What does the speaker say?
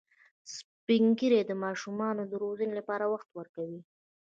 سپین ږیری د ماشومانو د روزنې لپاره وخت ورکوي